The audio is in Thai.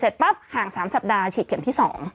เสร็จหลัง๓สัปดาห์เฉดเข็มที่๒